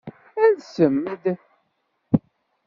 Alsem-d.